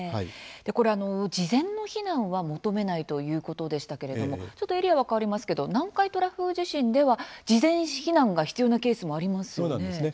これは事前の避難は求めないということでしたけれどもちょっとエリアは変わりますけど南海トラフ地震では事前避難が必要なケースもありますよね。